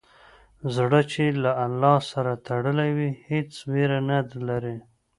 زړه چې له الله سره تړلی وي، هېڅ ویره نه لري.